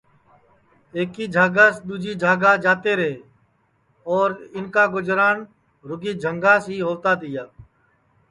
ایک جھاگاس دؔوجی جھاگا جاتے رے اور اِن کا گُجران رُگی جھنگاس ہی ہؤتا تیا